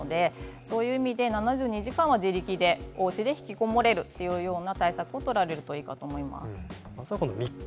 そういう意味で７２時間は自力でおうちに引きこもれる対策を取ったほうがいいと思います。